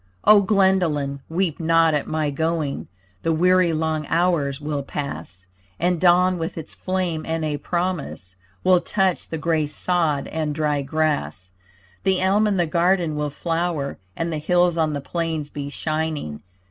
O Glendolyn, weep not at my going, The weary long hours will pass; And dawn with its flame and a promise Will touch the grey sod and dry grass. The elm in the garden will flower And the hills on the plains be shining.